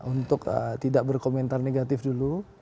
untuk tidak berkomentar negatif dulu